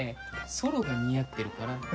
ソロが似合ってるから。